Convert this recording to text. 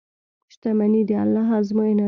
• شتمني د الله ازموینه ده.